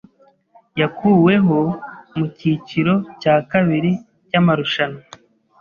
yakuweho mu cyiciro cya kabiri cy'amarushanwa.